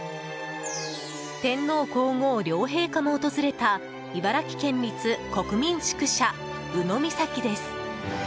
天皇・皇后両陛下も訪れた茨城県立国民宿舎、鵜の岬です。